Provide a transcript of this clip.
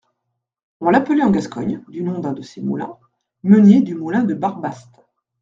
On l'appelait en Gascogne (du nom d'un de ses moulins) meunier du moulin de Barbaste.